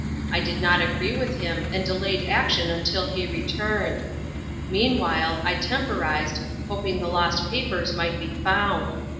I did not agree with him and delayed action until he returned. Mean while, I temporized, hoping the lost papers might be found.